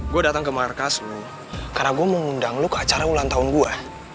gua dateng ke markas lu karena gua mau ngundang lu ke acara ulang tahun gua